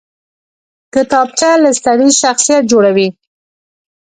کتابچه له سړي شخصیت جوړوي